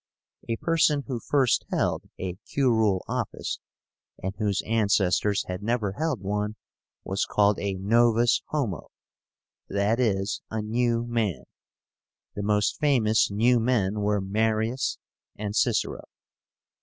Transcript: A person who first held a curule office, and whose ancestors had never held one, was called a novus homo, i. e. a new man. The most famous new men were Marius and Cicero.